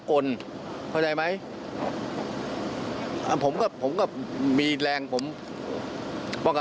ก็เรื่องของเขา